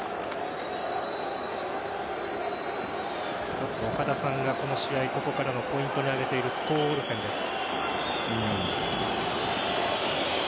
一つ、岡田さんがこの試合ここからのポイントに挙げているスコウオルセンです。